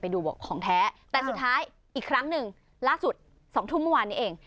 ดูบอกของแท้แต่สุดท้ายอีกครั้งหนึ่งล่าสุด๒ทุ่มเมื่อวานนี้เอง